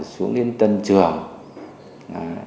xuống đến tân trường